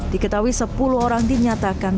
diketahui sepuluh orang dinyatakan